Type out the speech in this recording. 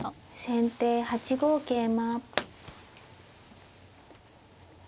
先手８五桂馬。